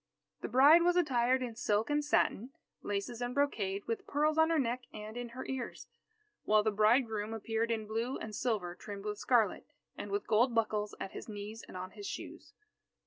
The bride was attired in silk and satin, laces and brocade, with pearls on her neck and in her ears. While the bridegroom appeared in blue and silver trimmed with scarlet, and with gold buckles at his knees and on his shoes.